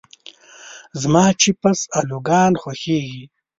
زما چپس الوګان خوښيږي.